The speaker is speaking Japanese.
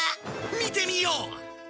見てみよう！